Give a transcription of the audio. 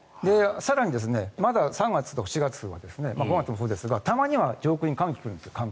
更にまだ３月と４月は５月もそうですがたまには上空に寒気が来るんですよ。